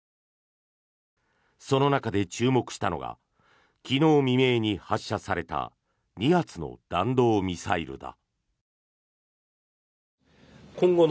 その中で注目したのが昨日未明に発射された２発の弾道ミサイルだ。